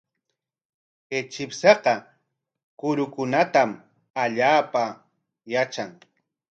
Kay chipshaqa kurukunatam allaapa yatran.